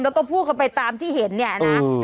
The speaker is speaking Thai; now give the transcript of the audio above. แล้วก็พูดกันไปตามที่เห็นเนี่ยนะ